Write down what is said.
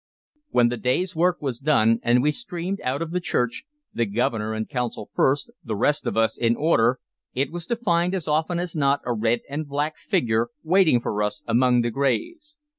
When the day's work was done, and we streamed out of the church, the Governor and Council first, the rest of us in order, it was to find as often as not a red and black figure waiting for us among the graves.